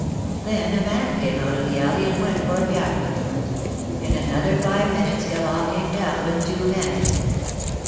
Then a man came out of the alley and went for a fiacre. In another five minutes Gavard came down with two men.